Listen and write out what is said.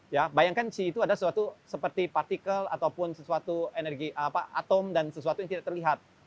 ya bayangkan c itu ada sesuatu seperti partikel ataupun sesuatu energi atom dan sesuatu yang tidak terlihat